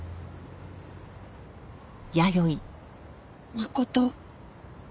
真琴。